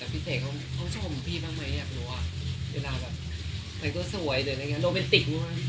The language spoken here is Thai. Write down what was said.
แต่พี่เศษเขาชมพี่บ้างไหมอยากรู้อ่ะเวลาแบบเป็นตัวสวยหรืออะไรอย่างนี้